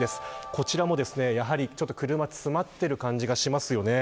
こちらもやはり、車が詰まっている感じがします。